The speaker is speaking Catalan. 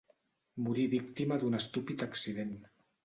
Morí víctima d'un estúpid accident.